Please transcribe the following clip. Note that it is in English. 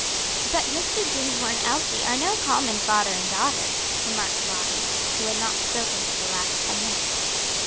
"But Mr. Dinsmore and Elsie are no common father and daughter," remarked Lottie, who had not spoken for the last ten minutes.